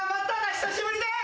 久しぶりです！